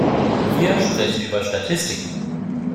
Wir sprechen über Statistiken.